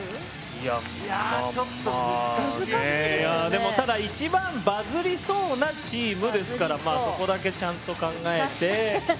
でも、ただ、一番バズりそうなチームですからそこだけ、ちゃんと考えて。